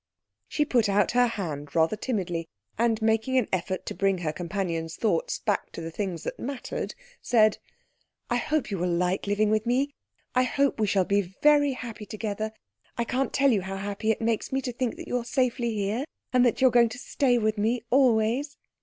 She put out her hand rather timidly, and making an effort to bring her companion's thoughts back to the things that mattered, said, "I hope you will like living with me. I hope we shall be very happy together. I can't tell you how happy it makes me to think that you are safely here, and that you are going to stay with me always."